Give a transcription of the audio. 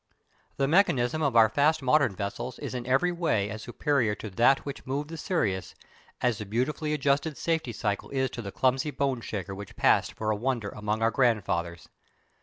The mechanism of our fast modern vessels is in every way as superior to that which moved the Sirius, as the beautifully adjusted safety cycle is to the clumsy "boneshaker" which passed for a wonder among our grandfathers.